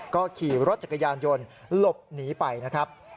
ก็ขี่รถจักรยานยนต์หลบหนีไปนะครับ